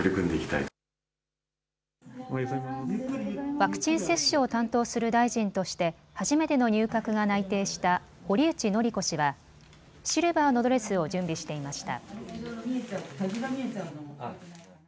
ワクチン接種を担当する大臣として初めての入閣が内定した堀内詔子氏はシルバーのドレスを準備していました。